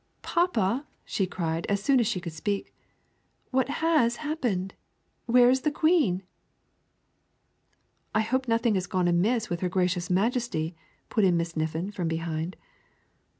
"Papa," she cried, as soon as she could speak, "what has happened? Where is the Queen?" "I hope nothing has gone amiss with her Gracious Majesty," put in Miss Niffin from behind.